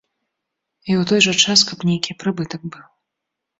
І ў той жа час, каб нейкі прыбытак быў.